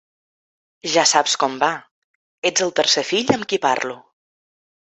Ja saps com va, ets el tercer fill amb qui parlo.